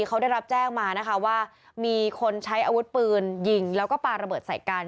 เขาได้รับแจ้งมานะคะว่ามีคนใช้อาวุธปืนยิงแล้วก็ปลาระเบิดใส่กัน